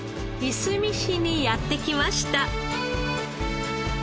いすみ市にやって来ました。